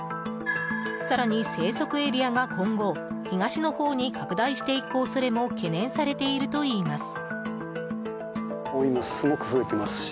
更に、生息エリアが今後東のほうに拡大していく恐れも懸念されているといいます。